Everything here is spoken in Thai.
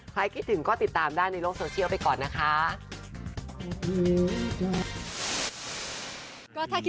คิดถึงก็ติดตามได้ในโลกโซเชียลไปก่อนนะคะ